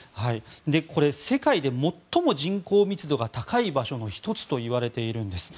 これ、世界で最も人口密度が高い場所の１つといわれているんです。